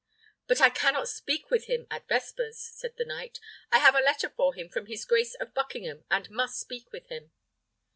"But I cannot speak with him at vespers," said the knight. "I have a letter for him from his grace of Buckingham, and must speak with him."